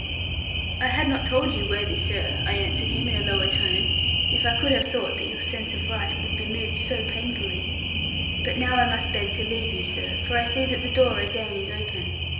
'I had not told you, worthy sir,' I answered him, in a lower tone, 'if I could have thought that your sense of right would be moved so painfully. But now I must beg to leave you, sir for I see that the door again is open.